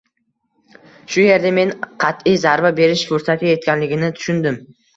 Shu yerda men qatʼiy zarba berish fursati yetganligini tushundim.